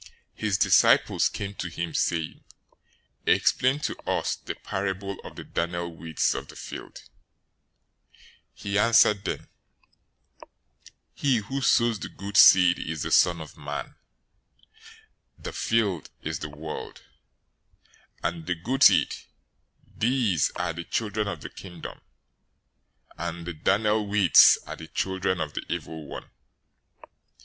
His disciples came to him, saying, "Explain to us the parable of the darnel weeds of the field." 013:037 He answered them, "He who sows the good seed is the Son of Man, 013:038 the field is the world; and the good seed, these are the children of the Kingdom; and the darnel weeds are the children of the evil one.